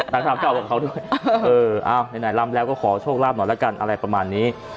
นักข่าวก็เอากับเขาด้วยเอออ้าวไหนลำแล้วก็ขอโชคลาภหน่อยแล้วกันอะไรประมาณนี้